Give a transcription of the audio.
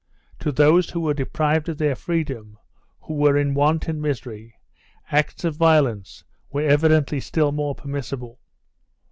To those who were deprived of their freedom, who were in want and misery, acts of violence were evidently still more permissible.